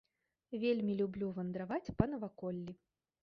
Вельмі люблю вандраваць па наваколлі.